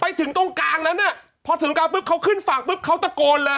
ไปถึงตรงกลางแล้วนะขอถึงกราบเพื่อเข้าขึ้นฝั่งเพื่อเขาตะโกนเลย